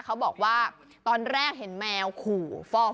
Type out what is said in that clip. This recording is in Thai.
เขาบอกว่าตอนแรกเห็นแมวขู่ฟอก